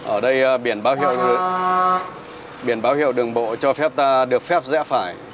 ở đây biển báo hiệu đường bộ cho phép ta được phép dẽ phải